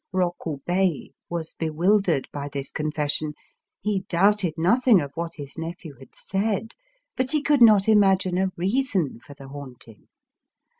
Rokubei was bewildered by this confession. He doubted nothing of what his nephew had said; but he could not imagine a reason for the haunting.